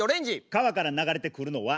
川から流れてくるのは？